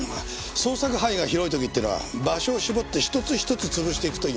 捜索範囲が広い時っていうのは場所を絞って一つ一つ潰していくといいんだ。